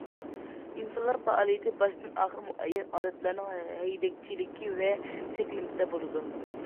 ئىنسانلار پائالىيىتى باشتىن- ئاخىر مۇئەييەن ئادەتلەرنىڭ ھەيدەكچىلىكى ۋە چەكلىمىسىدە بولىدۇ.